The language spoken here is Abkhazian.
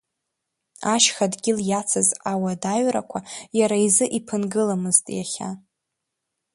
Ашьха дгьыл иацыз ауадаҩрақәа иара изы иԥынгыламызт иахьа.